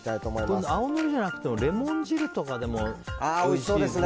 これ、青のりじゃなくてもレモン汁とかでもおいしいですね。